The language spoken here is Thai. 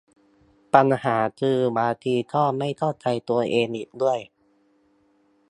ปัญหาคือบางทีก็ไม่เข้าใจตัวเองอีกด้วย